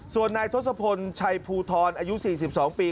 ส่วนนายทศพลชัยภูทรอายุ๔๒ปี